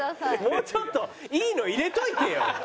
もうちょっといいの入れといてよ。